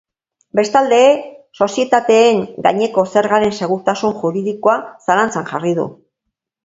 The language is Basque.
Bestalde, sozietateen gaineko zergaren segurtasun juridikoa zalantzan jarri du.